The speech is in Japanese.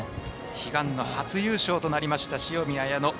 悲願の初優勝となりました塩見綾乃。